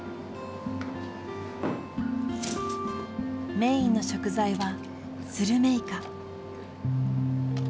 メインの食材はスルメイカ。